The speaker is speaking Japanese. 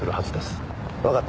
わかった。